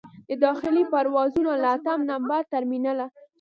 د داخلي پروازونو له اتم نمبر ټرمینله.